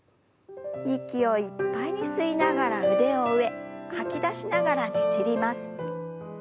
息をいっぱいに吸いながら腕を上吐き出しながらねじります。